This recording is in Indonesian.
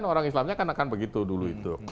orang islamnya kan akan begitu dulu itu